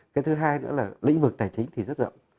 cái thứ hai nữa là lĩnh vực tài chính thì rất rộng